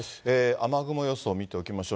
雨雲予想を見ておきましょう。